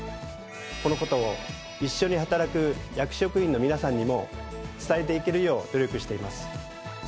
このことを一緒に働く役職員の皆さんにも伝えていけるよう努力しています。